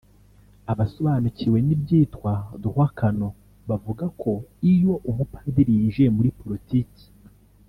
Abasobanukiwe n’ibyitwa «droit canon» bavuga ko iyo umupadiri yinjiye muri politiki